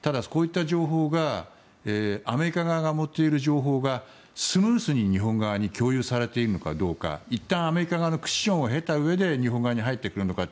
ただ、アメリカ側が持っているこういった情報がスムーズに日本側に共有されているのかどうかいったんアメリカ側のクッションを経て日本に入ってくるのか